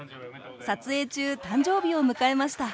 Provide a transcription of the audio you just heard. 撮影中誕生日を迎えました。